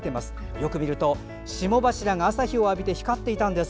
よく見ると、霜柱が朝日を浴びて光っていたんです。